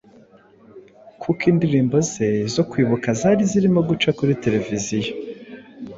kuko indirimbo ze zo kwibuka zari zirimo guca kuri televiziyo